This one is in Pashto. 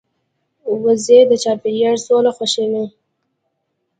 وزې د چاپېریال سوله خوښوي